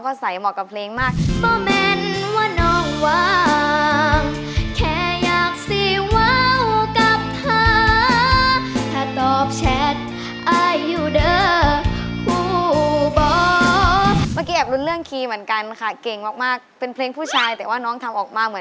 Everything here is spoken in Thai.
ขอบคุณน้องเจนนี่ครับ